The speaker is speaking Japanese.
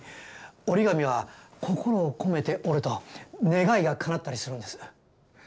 折り紙は心を込めて折ると願いがかなったりするんです。